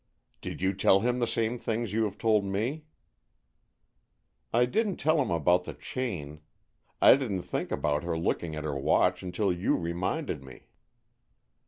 "Did you tell him the same things you have told me?" "I didn't tell him about the chain. I didn't think about her looking at her watch until you reminded me."